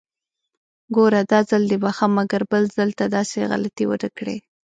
ګوره! داځل دې بښم، مګر بل ځل ته داسې غلطي ونکړې!